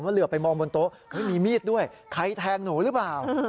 เหลือไปมองบนโต๊ะไม่มีมีดด้วยใครแทงหนูหรือเปล่า